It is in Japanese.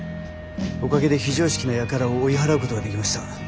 おかげで非常識な輩を追い払うことができました。